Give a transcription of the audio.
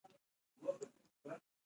ټول ادب نه ذهني عیاشي او د وخت ضایع ده.